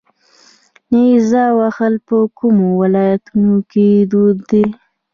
نیزه وهل په کومو ولایتونو کې دود دي؟